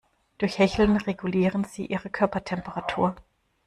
Durch Hecheln regulieren sie ihre Körpertemperatur.